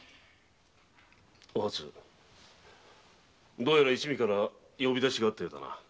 どうやら一味から呼び出しがあったようだな。